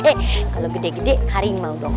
eh kalau gede gede harimau dong